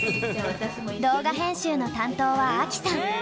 動画編集の担当はアキさん！